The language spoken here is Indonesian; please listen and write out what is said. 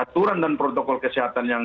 aturan dan protokol kesehatan yang